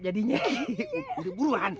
ini nih ini buruan